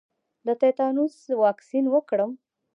د تیتانوس واکسین وکړم؟